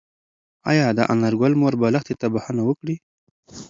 ايا د انارګل مور به لښتې ته بښنه وکړي؟